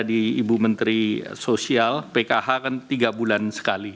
program lain yang ada di ibu menteri sosial pkh kan tiga bulan sekali